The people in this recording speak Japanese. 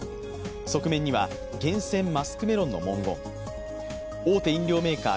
側面には、厳選マスクメロンの文言、大手飲料メーカー